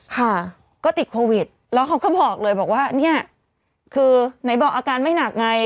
ค่ะก็ติดโควิดแล้วเขาก็บอกเลยบอกว่าเนี่ยคือไหนบอกอาการไม่หนักไง